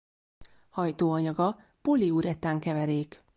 Hajtóanyaga poliuretán keverék.